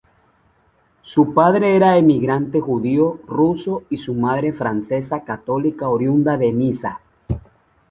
Su padre era emigrante judío ruso y su madre francesa católica oriunda de Niza.